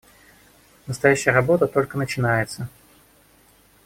Настоящая работа только начинается.